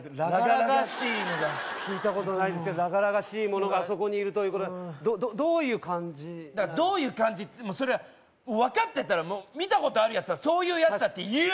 らがらがしいのがちょっと聞いたことないですけどらがらがしいものがあそこにいるということでどういう感じどういう感じそれは分かってたら見たことあるやつはそういうやつだって言う！